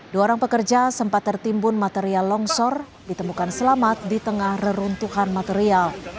dua orang pekerja sempat tertimbun material longsor ditemukan selamat di tengah reruntuhan material